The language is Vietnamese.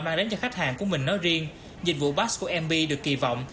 mang đến cho khách hàng của mình nói riêng dịch vụ bas của mb được kỳ vọng